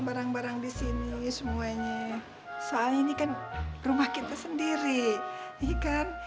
barang barang di sini semuanya soalnya ini kan rumah kita sendiri kan